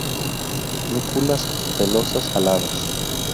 Núculas pelosas aladas.